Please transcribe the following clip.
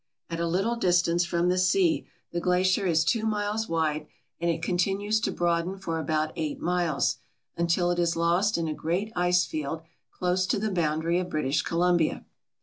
At a little distance from the sea the glacier is two miles wide and it continues to broaden for about eight miles, until it is lost in a great ice field close to the boundary of British Columbia.